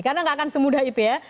karena nggak akan semudah itu ya